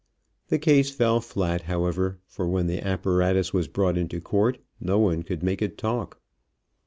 The case fell flat, however, for when the apparatus was brought into court no one could make it talk.